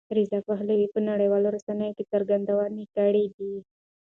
رضا پهلوي په نړیوالو رسنیو څرګندونې کړې دي.